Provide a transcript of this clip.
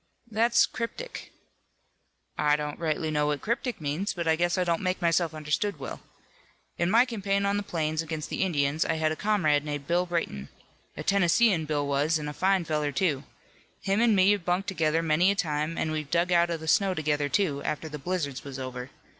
"That's cryptic." "I don't rightly know what 'cryptic' means, but I guess I don't make myself understood well. In my campaign on the plains against the Indians I had a comrade named Bill Brayton. A Tennesseean, Bill was an' a fine feller, too. Him an' me have bunked together many a time an' we've dug out of the snow together, too, after the blizzards was over.